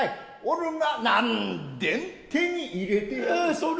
俺が何でン手に入れてやる。